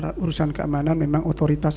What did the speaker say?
orang orang yang berpengalaman dan berpengalaman